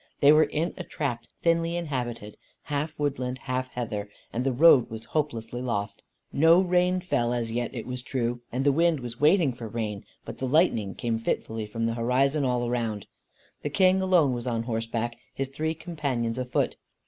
They were in a tract thinly inhabited, half woodland, half heather, and the road was hopelessly lost. No rain fell as yet it was true, and the wind was waiting for rain, but the lightning came fitfully from the horizon all round. The King alone was on horseback, his three companions afoot.